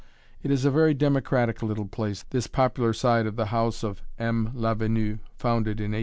It is a very democratic little place, this popular side of the house of M. Lavenue, founded in 1854.